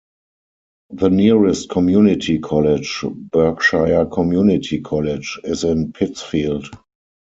The nearest community college, Berkshire Community College, is in Pittsfield.